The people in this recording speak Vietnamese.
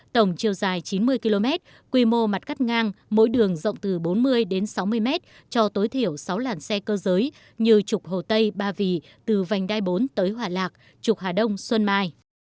tổng chiều dài chín mươi km quy mô mặt cắt ngang mỗi đường rộng từ bốn mươi đến sáu mươi mét cho tối thiểu sáu làn xe cơ giới như trục hồ tây ba vì từ vành đai bốn tới hòa lạc trục hà đông xuân mai